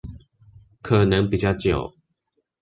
可能比較久